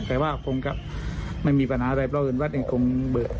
แต่ว่าคงจะไม่มีปัญหาอะไรเพราะเงินวัดเองคงเบิก